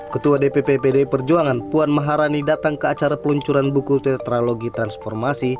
ketua dpp pdi perjuangan puan maharani datang ke acara peluncuran buku tetralogi transformasi